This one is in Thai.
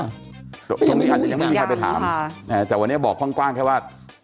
ก็ยังไม่อาจไปถามแต่วันนี้บอกความกว้างแค่ว่า